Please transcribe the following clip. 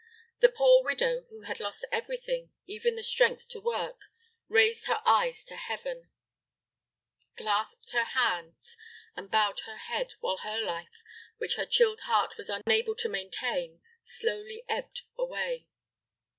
The poor widow who had lost everything, even the strength to work, raised her eyes to heaven, clasped her hands and bowed her head, while her life, which her chilled heart was unable to maintain, slowly ebbed away.